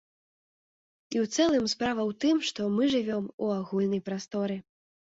І ў цэлым справа ў тым, што мы жывём у агульнай прасторы.